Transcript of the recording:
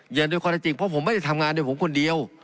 ยืนยันด้วยความจริงเพราะผมไม่ได้ทำงานด้วยผมคนเดียว